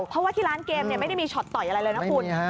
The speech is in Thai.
เพราะว่าที่ร้านเกมไม่ได้มีช็อตต่อยอะไรเลยนะคุณ